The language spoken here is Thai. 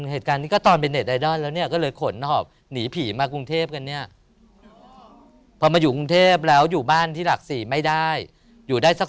เหตุการณ์นี้ก็ตอนเป็นเน็ตไอดอลแล้วเนี่ย